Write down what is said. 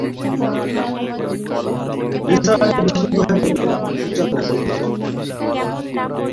নিসার আলি বিস্মিত হয়ে বললেন, কী জন্যে বলুন তো?